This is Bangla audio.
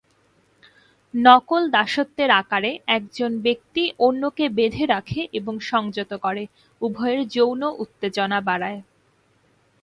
নকল দাসত্বের আকারে, একজন ব্যক্তি অন্যকে বেঁধে রাখে এবং সংযত করে, উভয়ের যৌন উত্তেজনা বাড়ায়।